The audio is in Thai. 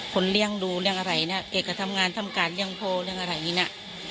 คนเลี่ยงรู้เรื่องอะไรนะแกก็ทำงานทำการเลี่ยงพ่อเรื่องอะไรนะ